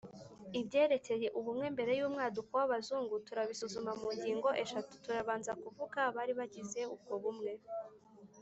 Ibyerekeye ubumwe mberey'umwaduko w'Abazungu turabisuzuma mu ngingo eshatu: turabanza kuvugaabari bagize ubwo bumwe,